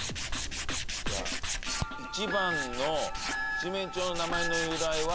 じゃあ１番の七面鳥の名前の由来は。